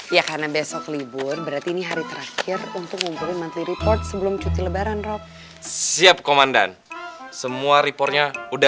ya karena besok libur berarti ini hari terakhir untuk ngumpulin menteri report sebelum cuti lebaran rob siap